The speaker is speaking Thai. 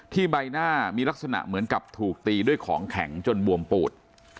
ใบหน้ามีลักษณะเหมือนกับถูกตีด้วยของแข็งจนบวมปูด